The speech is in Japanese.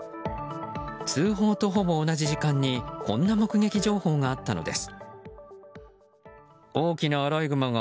通報とほぼ同じ時間にこんな目撃情報があったのです。